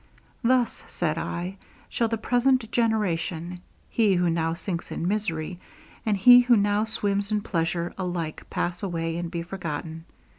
'Thus,' said I, 'shall the present generation he who now sinks in misery and he who now swims in pleasure, alike pass away and be forgotten.'